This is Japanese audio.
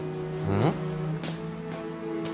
うん？